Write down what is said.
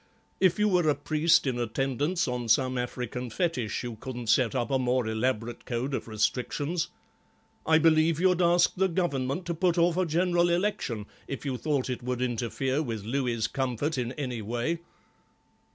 If you were a priest in attendance on some African fetish you couldn't set up a more elaborate code of restrictions. I believe you'd ask the Government to put off a General Election if you thought it would interfere with Louis's comfort in any way."